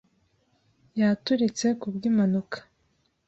yaturitse ku bw'impanuka.